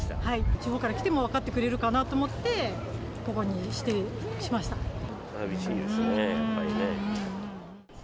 地方から来ても分かってくれさみしいですね、やっぱりね。